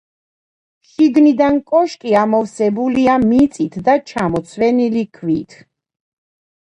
შიგნიდან კოშკი ამოვსებულია მიწით და ჩამოცვენილი ქვით.